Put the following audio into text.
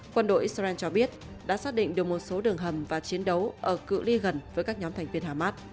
quân đội israel cho biết đã xác định được một số đường hầm và chiến đấu ở cựu ly gần với các nhóm thành viên hamas